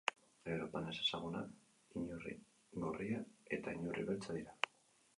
Europan ezagunenak inurri gorria eta inurri beltza dira.